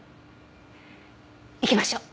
行きましょう。